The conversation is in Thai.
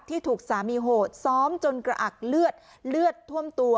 ถูกสามีโหดซ้อมจนกระอักเลือดเลือดท่วมตัว